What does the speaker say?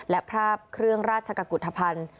และภาพเครื่องราชกุธภัณฑ์